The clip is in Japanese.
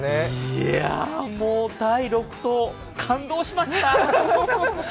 いやー、もう第６投、感動しました。